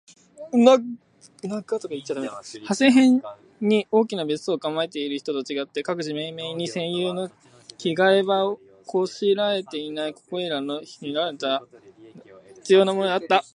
長谷辺（はせへん）に大きな別荘を構えている人と違って、各自めいめいに専有の着換場（きがえば）を拵（こしら）えていないここいらの避暑客には、ぜひともこうした共同着換所といった風（ふう）なものが必要なのであった。